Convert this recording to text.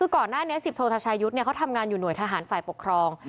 ก่อนหน้านี้สิบโทษชายุทธ์เนี่ยเขาทำงานอยู่หน่วยทหารฟลายปกครอง